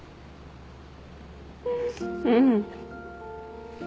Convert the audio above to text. うん。